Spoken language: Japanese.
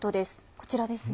こちらですね。